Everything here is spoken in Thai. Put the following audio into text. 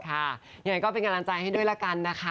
ยังไงก็เป็นกำลังใจให้ด้วยละกันนะคะ